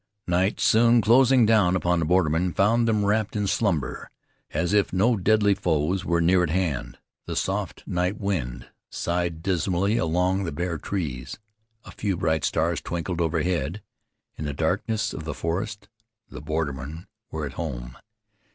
Night soon closing down upon the bordermen found them wrapped in slumber, as if no deadly foes were near at hand. The soft night wind sighed dismally among the bare trees. A few bright stars twinkled overhead. In the darkness of the forest the bordermen were at home.